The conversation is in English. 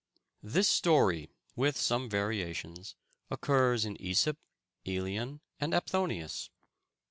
This story, with some variations, occurs in Æsop, Ælian, and Apthonius.